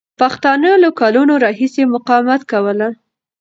پښتانه له کلونو راهیسې مقاومت کوله.